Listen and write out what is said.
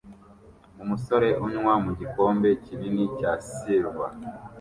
Umusore unywa mu gikombe kinini cya silver